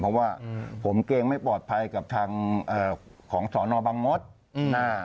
เพราะว่าผมเกรงไม่ปลอดภัยกับทางของสรบังมติ